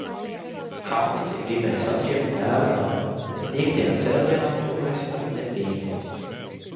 Hamlets ir gribējis atriebt tēva nāvi, bet piektajā cēlienā to vairs pat nepiemin.